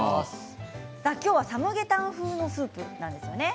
今日はサムゲタン風のスープなんですよね。